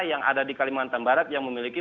yang ada di kalimantan barat yang memiliki